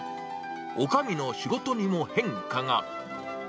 おかみの仕事にも変化が。